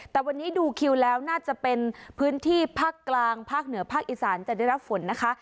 แต่วันนี้ดูคิวแล้วน่าจะเป็นพื้นที่ภาคกลางภาคเหนือภาคอีสานจะได้รับฝนนะคะ